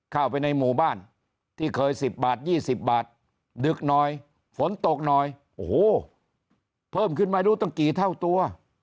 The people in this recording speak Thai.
เข้าไปในหมู่บ้านที่เคย๑๐บาท๒๐บาทดึกหน่อยฝนตกหน่อยโอ้โหเพิ่มขึ้นมารู้ตั้งกี่เท่าตัว